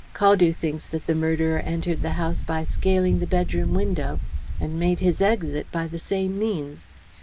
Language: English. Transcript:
"Caldew thinks that the murderer entered the house by scaling the bedroom window, and made his exit by the same means.